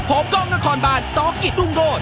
ผมก้องก็คอนบานสกิศดุ้งโดด